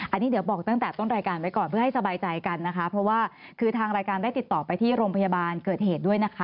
อันนี้เดี๋ยวบอกตั้งแต่ต้นรายการไว้ก่อนเพื่อให้สบายใจกันนะคะเพราะว่าคือทางรายการได้ติดต่อไปที่โรงพยาบาลเกิดเหตุด้วยนะคะ